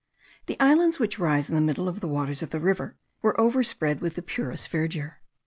The islands which rise in the middle of the waters of the river were overspread with the purest verdure.